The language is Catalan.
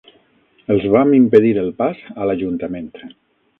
Els vam impedir el pas a l'ajuntament.